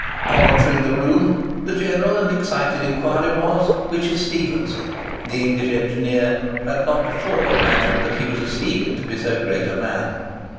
On entering the room, the general and excited inquiry was, "Which is Stephenson?" The English engineer had not before imagined that he was esteemed to be so great a man.